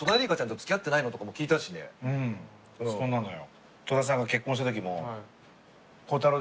そうなのよ。